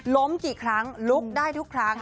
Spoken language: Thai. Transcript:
กี่ครั้งลุกได้ทุกครั้ง